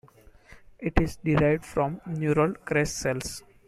It is derived from neural crest cells.